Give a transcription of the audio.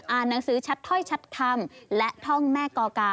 หนังสือชัดถ้อยชัดคำและท่องแม่กอกา